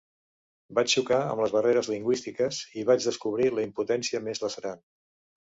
Vaig xocar amb les barreres lingüístiques i vaig descobrir la impotència més lacerant.